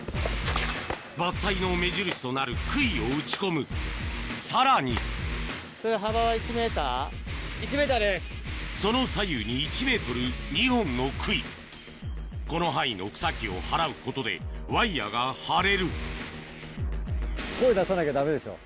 伐採の目印となるさらにその左右に１ｍ２本の杭この範囲の草木を払うことでワイヤが張れる声出さなきゃダメでしょ。